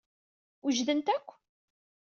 Wejdent akk?